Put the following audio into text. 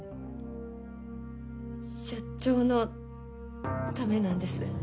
社長のためなんです。